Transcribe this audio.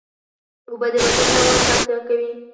اوبه د بدن روان ساتنه کوي